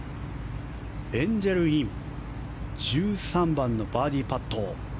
エンジェル・イン１３番、バーディーパット。